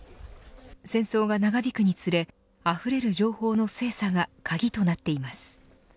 戦争が長引くにつれあふれる情報の精査が鍵となっています。